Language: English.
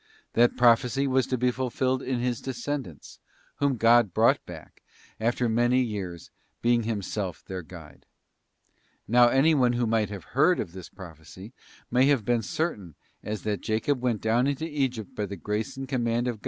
That prophecy was to be fulfilled in his descendants, whom God brought back, after many years, being Himself their Guide. Now anyone who might have heard of this prophecy might have been certain, that as Jacob went down into Egypt by the grace and command of * Gen. xv.